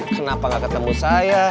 kenapa nggak ketemu saya